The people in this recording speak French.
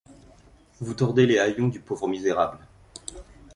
Vous tordez les haillons du pauvre misérable